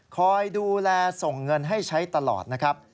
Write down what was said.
คอยดูแลส่งเงินให้ใช้ตลอด